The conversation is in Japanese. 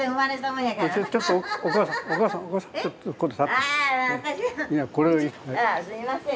あすいません。